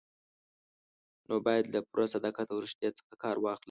نو باید له پوره صداقت او ریښتیا څخه کار واخلئ.